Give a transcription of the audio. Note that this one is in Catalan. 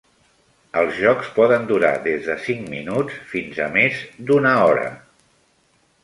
Els jocs poden durar des de cinc minuts fins a més d'una hora.